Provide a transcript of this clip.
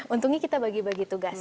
untungnya kita bagi bagi tugas